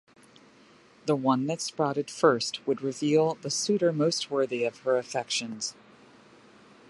The one that sprouted first would reveal the suitor most worthy of her affections.